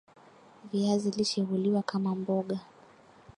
viazi lishe huliwa kama mboga